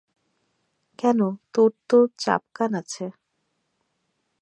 কেন, তোর তো চাপকান আছে।